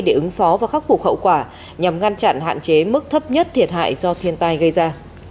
để ứng phó và khắc phục hậu quả nhằm ngăn chặn hạn chế mức thấp nhất thiệt hại do thiên tai gây ra